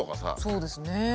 そうですね。